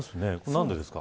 何でですか。